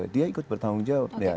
dia ikut bertanggung jawab